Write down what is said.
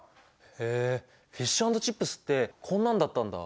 へえフィッシュ＆チップスってこんなんだったんだ。